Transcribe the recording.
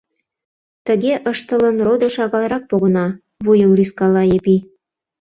— Тыге ыштылын, родо шагалрак погына, — вуйым рӱзкала Епи.